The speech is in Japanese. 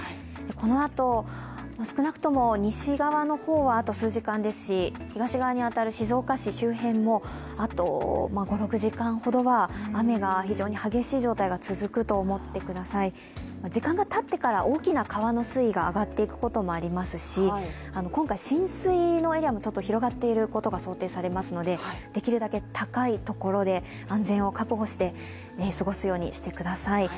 このあと、少なくとも西側の方はあと数時間ですし、東側に当たる、静岡市周辺もあと５６時間ほどは雨が非常に激しい状態が続くと思ってください時間がたってから大きな川の水位が上がっていくこともありますし今回、浸水のエリアも広がっていることが想定されますので、できるだけ高い所で安全を確保して過ごすようにしてください。